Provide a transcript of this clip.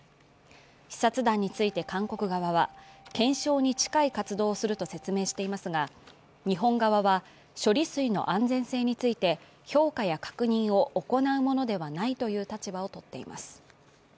視察団について韓国側は、検証に近い活動をすると説明していますが日本側は、処理水の安全性について評価や確認を行うものではないという立場をとっています。